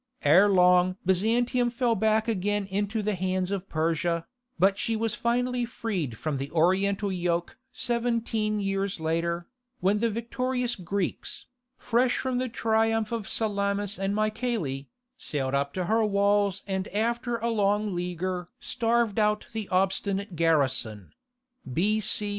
Ere long Byzantium fell back again into the hands of Persia, but she was finally freed from the Oriental yoke seventeen years later, when the victorious Greeks, fresh from the triumph of Salamis and Mycale, sailed up to her walls and after a long leaguer starved out the obstinate garrison [B.C.